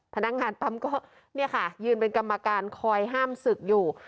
พนักงานปั๊มก็เนี่ยค่ะยืนเป็นกรรมการคอยห้ามศึกอยู่